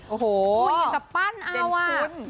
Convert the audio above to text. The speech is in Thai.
โอ้โหคุณอย่างกับปั้นเอาอะเด่นคุณ